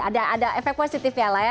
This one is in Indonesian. ada efek positif ya lah ya